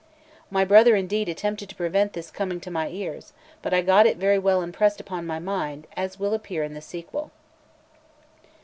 My brother, indeed, attempted to prevent this coming to my ears; but I got it very well impressed upon my mind, as will appear in the sequel.